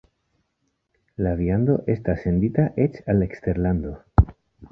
La viando estas sendita eĉ al eksterlando.